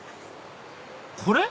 これ？